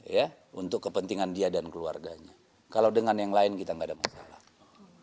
ya untuk kepentingan dia dan keluarganya kalau dengan yang lain kita nggak ada masalah